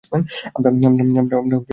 আমরা নিচে আছি!